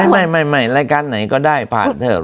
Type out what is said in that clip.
ไม่รายการไหนก็ได้ผ่านเถอะ